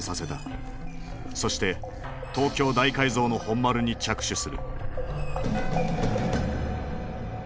そして東京大改造の本丸に着手する。